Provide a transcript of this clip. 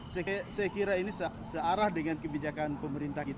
saya kira ini searah dengan kebijakan pemerintah kita